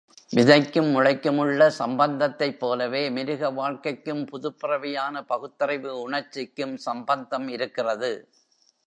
விதைக்கும் முளைக்குமுள்ள சம்பந்தத்தைப் போலவே, மிருக வாழ்க்கைக்கும் புதுப் பிறவியான பகுத்தறிவு உணர்ச்சிக்கும் சம்பந்தம் இருக்கிறது.